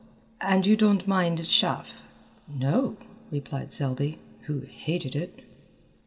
"And you don't mind chaff?" "No," replied Selby, who hated it.